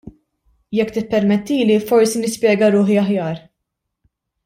Jekk tippermettili, forsi nispjega ruħi aħjar.